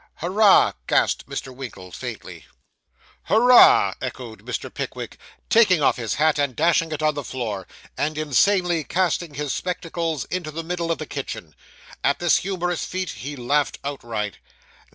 'Hurrah!' gasped Mr. Winkle faintly. 'Hurrah!' echoed Mr. Pickwick, taking off his hat and dashing it on the floor, and insanely casting his spectacles into the middle of the kitchen. At this humorous feat he laughed outright.